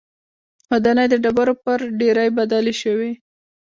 ودانۍ د ډبرو پر ډېرۍ بدلې شوې